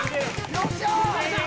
よっしゃ！